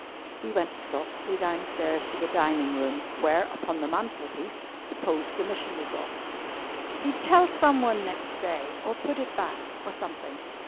He went softly downstairs to the dining room, where, upon the mantel piece, reposed the missionary box. He'd tell someone next day, or put it back, or something.